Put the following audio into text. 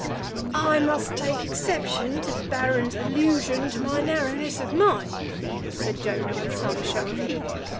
"I must take exception to the Baron's allusion to my narrowness of mind," said Jonah, with some show of heat.